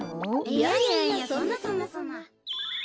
いやいやいやそんなそんなそんな。